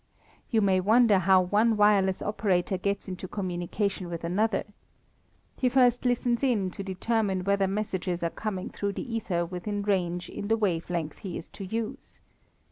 You may wonder how one wireless operator gets into communication with another. He first listens in to determine whether messages are coming through the ether within range in the wave length he is to use.